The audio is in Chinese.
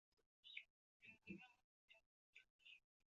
努沃勒埃利耶区是斯里兰卡中央省的一个区。